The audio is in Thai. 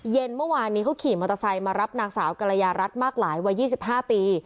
เย็นเมื่อวานนี้เขาขี่มอเตอร์ไซค์มารับนางสาวกรยารัฐมากหลายวัย๒๕ปี